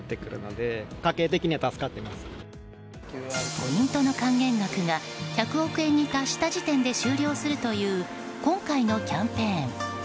ポイントの還元額が１００億円に達した時点で終了するという今回のキャンペーン。